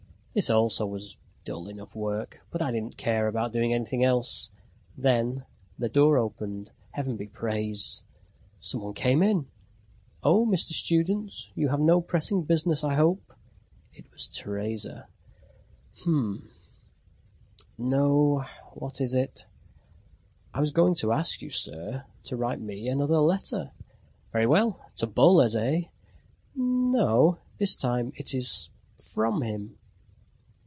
This also was dull enough work, but I didn't care about doing anything else. Then the door opened. Heaven be praised! Some one came in. "Oh, Mr. Student, you have no pressing business, I hope?" It was Teresa. Humph! "No. What is it?" "I was going to ask you, sir, to write me another letter." "Very well! To Boles, eh?" "No, this time it is from him."